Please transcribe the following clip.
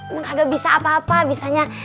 gun ski kebisa apa apa bisanya